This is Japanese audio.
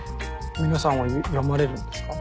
皆さんは読まれるんですか？